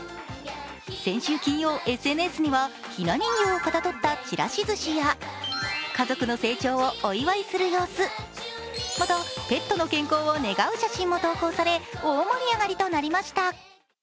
先週金曜、ＳＮＳにはひな人形をかたどったちらしずしや家族の成長をお祝いする様子、また、ペットの健康を願う写真も投稿され、大盛り上がりとなりました。